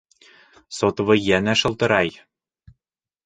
Сотовый йәнә шылтырай.